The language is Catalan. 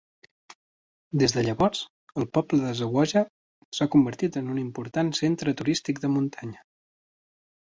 Des de llavors, el poble de Zawoja s'ha convertit en un important centre turístic de muntanya.